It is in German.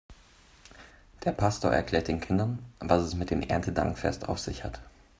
Der Pastor erklärt den Kindern, was es mit dem Erntedankfest auf sich hat.